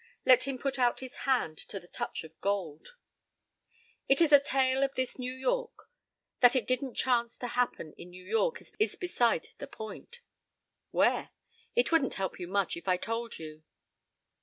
Let him put out his hand to the Touch of Gold.— It is a tale of this New York. That it didn't chance to happen in New York is beside the point. Where? It wouldn't help you much if I told you.